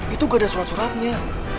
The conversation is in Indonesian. itu gak ada surat suratnya